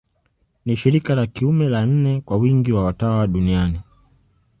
Ni shirika la kiume la nne kwa wingi wa watawa duniani.